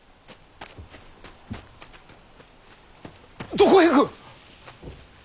どこへ行く！